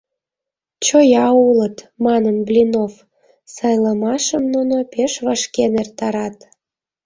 — Чоя улыт, — манын Блинов, — сайлымашым нуно пеш вашкен эртарат.